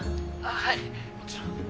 はいもちろん。